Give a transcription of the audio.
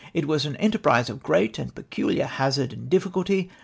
It ivas an enterprise of (jreat and jjecidiar hazard and difficidty.